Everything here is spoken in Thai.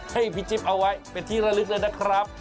ให้พี่จิ๊บเอาไว้เป็นที่ระลึกเลยนะครับ